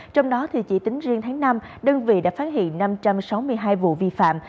trong đó chỉ tính riêng tháng năm đơn vị đã phát hiện năm trăm sáu mươi hai vụ vi phạm